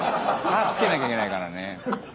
歯つけなきゃいけないからね。